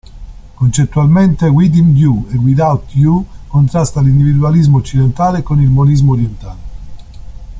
Concettualmente, "Within You Without You" contrasta l'individualismo occidentale con il monismo orientale.